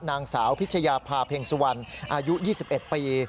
นางสาวพิชยาภาเพ็งสุวรรณอายุ๒๑ปี